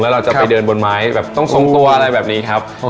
เราจะไปเดินบนไม้แบบต้องทรงตัวอะไรแบบนี้ครับ